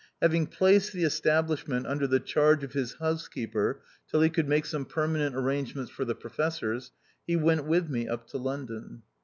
Having placed the estab THE OUTCAST. 153 lishment under the charge of his house keeper till he could make some permanent arrangements for the professors, he went with me up to London.